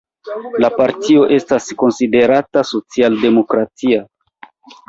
La partio estas konsiderata socialdemokratia.